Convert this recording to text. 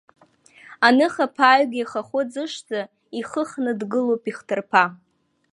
Аныхаԥааҩгьы ихахәы ӡышӡа, ихыхны дгылоуп ихҭырԥа.